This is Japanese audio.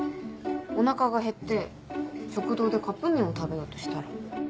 お腹がへって食堂でカップ麺を食べようとしたら。